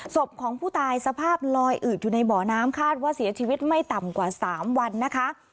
ศพของผู้ตายสภาพลอยอืดอยู่ในบ่อน้ำคาดว่าเสียชีวิตไม่ต่ำกว่า๓วันนะคะ